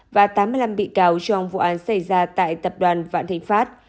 và tám mươi năm bị cáo trong vụ án xảy ra tại tập đoàn vạn thịnh pháp